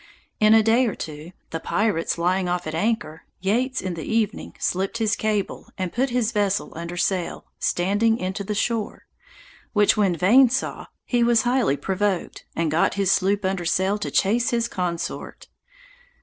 In a day or two, the pirates lying off at anchor, Yeates in the evening slipped his cable, and put his vessel under sail, standing into the shore; which when Vane saw, he was highly provoked, and got his sloop under sail to chase his consort.